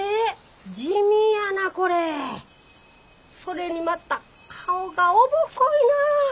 それにまた顔がおぼこいなあ。